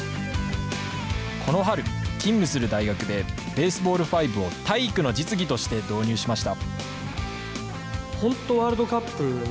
この春、勤務する大学でベースボール５を体育の実技として導入しました。